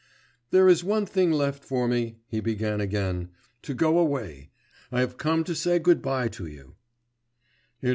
'There is one thing left for me,' he began again, 'to go away; I have come to say good bye to you.